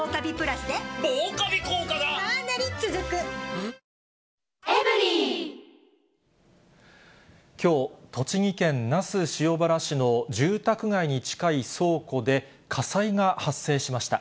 あっという間に３倍ぐらいのきょう、栃木県那須塩原市の住宅街に近い倉庫で、火災が発生しました。